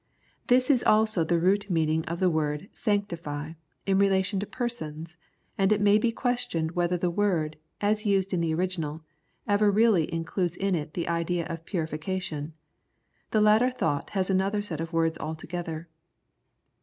This is also the root meaning of the word " sanctify " in relation to persons, and it may be questioned whether the word, as used in the original, ever really includes in it the idea of purification ; the latter thought has another set of words altogether.